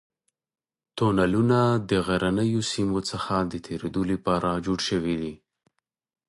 تونلونه د غرنیو سیمو څخه د تېرېدو لپاره جوړ شوي دي.